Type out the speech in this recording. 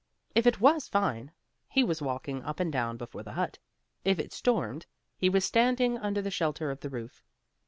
If it was fine, he was walking up and down before the hut; if it stormed, he was standing under the shelter of the roof.